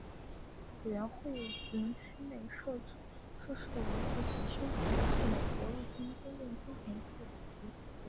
委员会营区内设施的维护及修缮是由美国陆军公共工程局负责的。